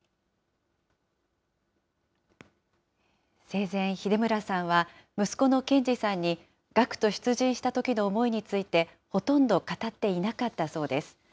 生前、秀村さんは息子の研二さんに、学徒出陣したときの思いについて、ほとんど語っていなかったそうです。